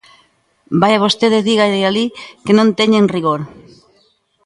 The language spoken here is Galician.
Vaia vostede e dígalle alí que non teñen rigor.